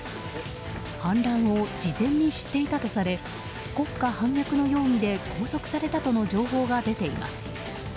反乱を事前に知っていたとされ国家反逆の容疑で拘束されたとの情報が出ています。